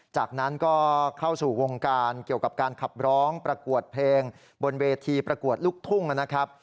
จากนั้นก็เข้าสู่วงการเกี่ยวกับการขับร้องประกวดเพลงบนเวทีประกวดลูกทุ่งนะครับ